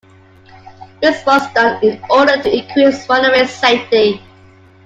This was done in order to increase runway safety.